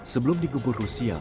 sebelum digubur rusia